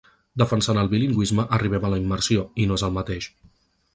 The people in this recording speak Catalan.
Defensant el bilingüisme arribem a la immersió, i no és el mateix.